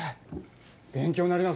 勉強になります。